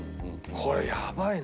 これやばいな。